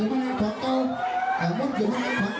ที่หมี